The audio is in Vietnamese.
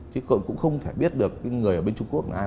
chứ cũng không thể biết được người bên trung quốc là ai